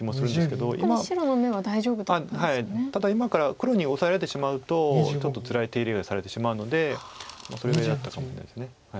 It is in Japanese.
ただ今から黒にオサえられてしまうとちょっとつらい手入れをされてしまうのでそれが嫌だったかもしれないです。